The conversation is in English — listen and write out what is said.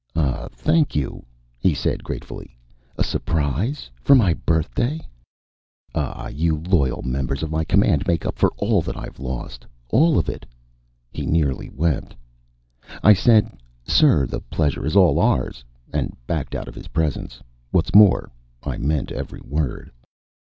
"Ah, thank you," he said gratefully. "A surprise? For my birthday? Ah, you loyal members of my command make up for all that I've lost all of it!" He nearly wept. I said: "Sir, the pleasure is all ours," and backed out of his presence. What's more, I meant every word.